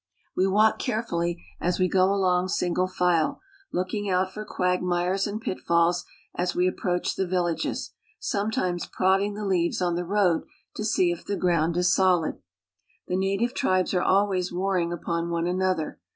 . "AVe walk carefully, as we go along single file, looking ^ out for quagmires and pitfalls as we approach the villages, . sometimes prodding the leaves on the road to see if the I ground is solid. The native tribes are always warring upon one another.